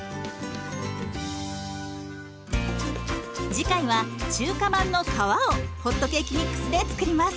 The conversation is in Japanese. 次回は中華まんの皮をホットケーキミックスで作ります。